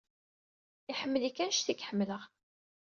Iḥemmel-ik anect ay k-ḥemmleɣ.